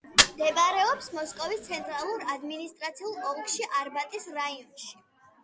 მდებარეობს მოსკოვის ცენტრალურ ადმინისტრაციულ ოლქში არბატის რაიონში.